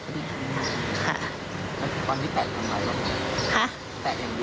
แตะอย่างเดียว